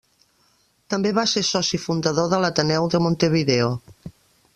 També va ser soci fundador de l'Ateneu de Montevideo.